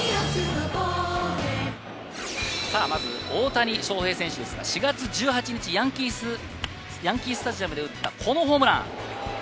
大谷翔平選手ですが４月１８日、ヤンキースタジアムで打ったこのホームラン。